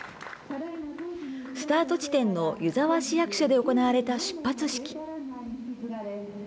スタート地点の湯沢市役所で行われた出発式。